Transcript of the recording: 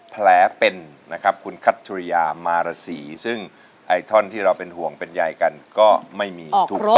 แผลเป็นนะครับคุณคัตุรยามารสีซึ่งอัยท่อนที่เราเป็นห่วงเป็นยายกันก็ไม่มี